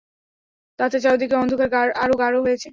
তাতে চারদিকের অন্ধকার আরো গাঢ় হয়েছে।